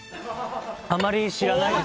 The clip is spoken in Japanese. あまり知らないです。